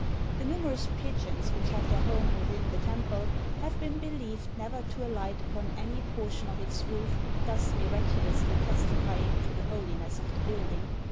The numerous pigeons which have their home within the temple have been believed never to alight upon any por tion of its roof, thus miraculously testifying to the holi ness of the building.